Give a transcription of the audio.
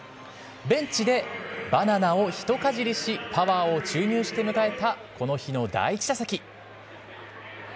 ベンチでバナナを一かじりし、パワーを注入して迎えたこの日の第１打席。